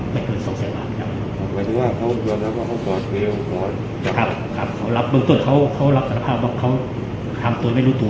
ไม่เกิน๒แสนบาท